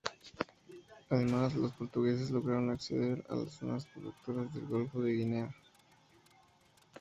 Además, los portugueses lograron acceder a las zonas productoras del golfo de Guinea.